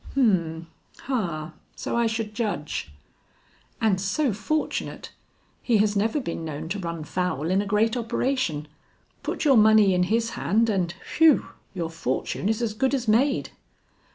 "Hum, ha, so I should judge." "And so fortunate! He has never been known to run foul in a great operation. Put your money in his hand and whew! your fortune is as good as made."